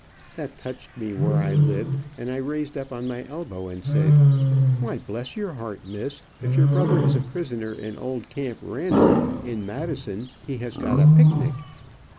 That touched me where I lived, and I raised up on my elbow, and said: "Why bless your heart, Miss, if your brother is a prisoner in old Camp Randlll, in Madison, he has got a pic nic.